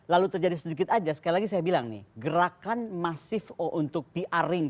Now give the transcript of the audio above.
lalu terjadi sedikit aja sekali lagi saya bilang nih gerakan masif untuk pr ini